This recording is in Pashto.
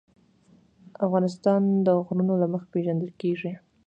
افغانستان د غرونه له مخې پېژندل کېږي.